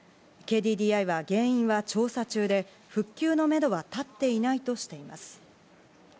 ＫＤＤＩは、原因は調査中で、復旧のめどは立っていないとしています。